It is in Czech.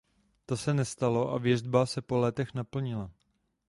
To se nestalo a věštba se po létech naplnila.